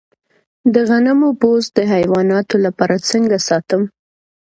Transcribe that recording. د غنمو بوس د حیواناتو لپاره څنګه ساتم؟